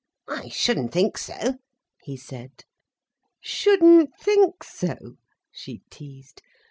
"I shouldn't think so," he said. "Shouldn't think so!" she teased.